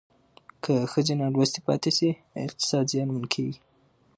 که ښځې نالوستې پاتې شي اقتصاد زیانمن کېږي.